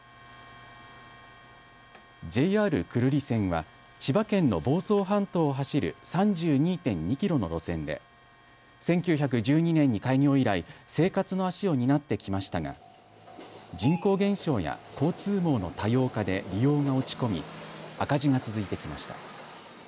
ＪＲ久留里線は千葉県の房総半島を走る３２．２キロの路線で１９１２年に開業以来生活の足を担ってきましたが人口減少や交通網の多様化で利用が落ち込み赤字が続いてきました。